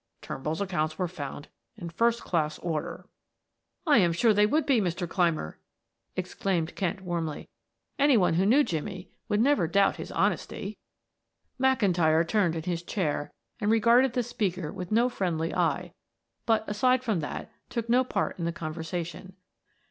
"Turnbull's accounts were found in first class order." "I am sure they would be, Mr. Clymer," exclaimed Kent warmly. "Any one who knew Jimmie would never doubt his honesty." McIntyre turned in his chair and regarded the speaker with no friendly eye, but aside from that, took no part in the conversation.